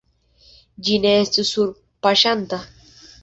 Ĝi ne estu surpaŝanta.